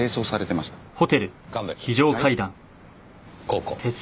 ここ。